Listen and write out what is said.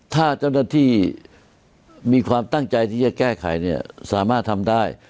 ถ้าเจ้าหน้าที่มีความตั้งใจที่จะแก้ไขเนี่ยสามารถทำได้